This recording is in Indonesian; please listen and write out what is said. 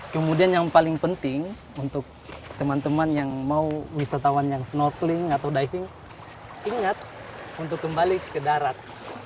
kemudian yang paling penting untuk teman teman yang mau wisatawan yang snorkeling atau diving ingat untuk kembali ke darat